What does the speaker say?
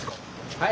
はい？